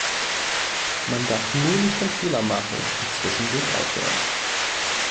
Man darf nur nicht den Fehler machen und zwischendurch aufhören.